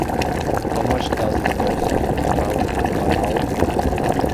How much does it cost to travel to Palau?